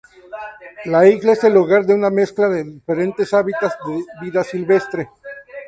La isla es el hogar de una mezcla de diferentes hábitats de vida silvestre.